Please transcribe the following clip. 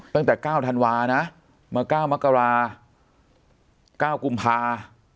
ตั้งแต่เก้าธันวานะมาเก้ามะกราเก้ากุมภา